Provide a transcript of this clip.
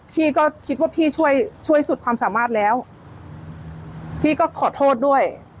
พี่ก็คิดว่าพี่ช่วยช่วยสุดความสามารถแล้วพี่ก็ขอโทษด้วย